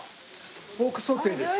ポークソテーです。